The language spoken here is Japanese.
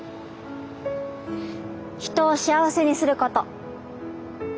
人を幸せにすること。